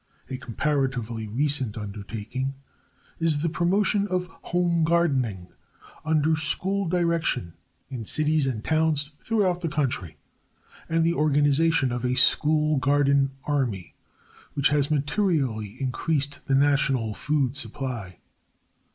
A comparatively recent undertaking is the promotion of home gardening under school direction in cities and towns throughout the country, and the organization of a School Garden Army, which has materially increased the national food supply.